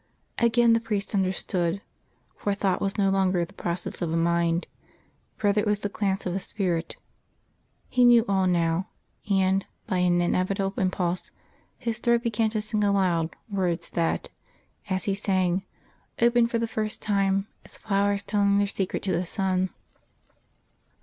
Again the priest understood; for thought was no longer the process of a mind, rather it was the glance of a spirit. He knew all now; and, by an inevitable impulse, his throat began to sing aloud words that, as he sang, opened for the first time as flowers telling their secret to the sun.